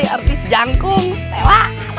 artis jangkung stela